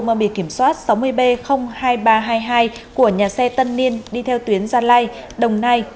mang bìa kiểm soát sáu mươi b hai nghìn ba trăm hai mươi hai của nhà xe tân niên đi theo tuyến gia lai đồng nai